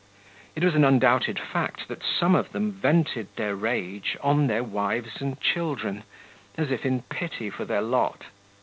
It was an undoubted fact that some of them vented their rage on their wives and children, as if in pity for their lot.